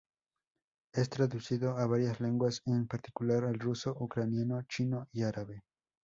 Es traducido a varias lenguas, en particular al ruso, ucraniano, chino y árabe.